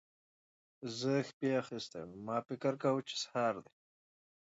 زه شپې اخيستی وم؛ ما فکر کاوو چې سهار دی.